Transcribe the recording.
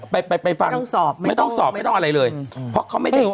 ไปไปไปฟังไม่ต้องสอบไม่ต้องสอบไม่ต้องอะไรเลยเพราะเขาไม่ได้